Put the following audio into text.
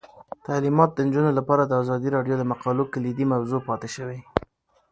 تعلیمات د نجونو لپاره د ازادي راډیو د مقالو کلیدي موضوع پاتې شوی.